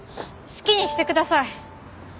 好きにしてください。